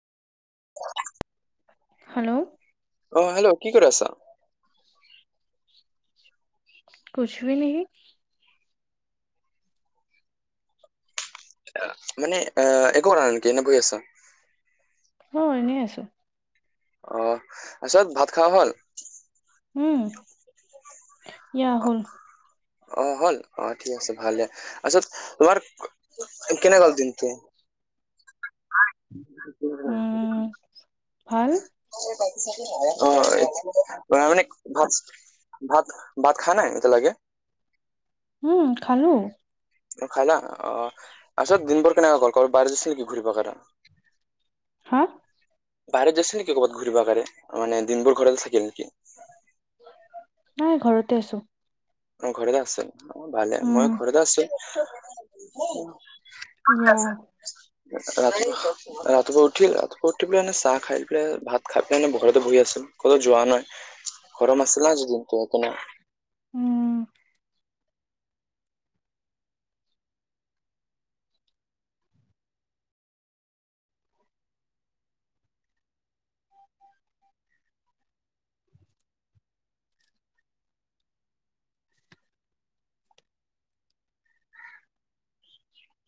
Hello, অ hello কি কৰি আছা। [unintelligible] নেকি। মানে অ একো কৰা নেকি এনে বহি আছা। অ এনেই আছোঁ। অ তাৰপিছত ভাত খোৱা হ'ল। উম, ইয়া অ, হ'ল অ হল অ ঠিক আছে ভাল দিয়া আচ্ছা তোমাৰ কেনে গল দিন তো। [unintelligible] উম ভাল। অ [unintelligible] ভাত ভাত খাই নাই এতিয়ালৈকে। উম খালো। অ খাইনা অ তাৰছত দিনবোৰ কেনেকা গল কৰ বাৰ যাই আছিল নেকি ঘূৰিব কাৰণে। হা, বাহিৰ আছে নেকি ক'ৰবাত ঘূৰিব কাৰণে মানে দিনবোৰ ঘৰতে থাকিল নেকি। নাই ঘৰতে আছোঁ। অ ঘৰতে আছো ভালে উম মই ঘৰতে আছো। অ [unintelligible] ৰাতিপুৱা উঠিল ৰাতিপুৱা উঠি পেলাই চাহ খাই পেলাই ভাত খাই পেলাই মানে ঘৰতে বহি আছিলোঁ ক'তো যোৱা নাই। গৰম আছিলা আজি দিনটো সেইকাৰণে। উম।